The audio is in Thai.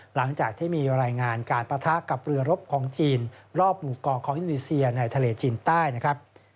หลังจากที่มีรายงานการปะทะกับเรือรบของจีนรอบหมู่เกาะของอินโดนีเซียในทะเลจีนใต้นะครับ